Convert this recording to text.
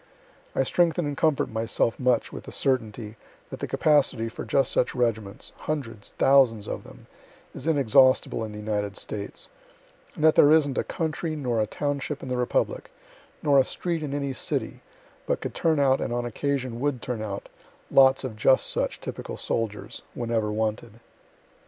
I strengthen and comfort myself much with the certainty that the capacity for just such regiments, (hundreds, thousands of them) is inexhaustible in the United States, and that there isn't a county nor a township in the republic nor a street in any city but could turn out, and, on occasion, would turn out, lots of just such typical soldiers, whenever wanted.